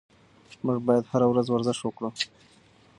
موږ باید هره ورځ ورزش وکړو.